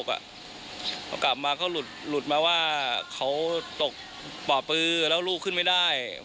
พอกลับมาเขาหลุดมาว่าเขาตกป่าปือแล้วลูกขึ้นไม่ได้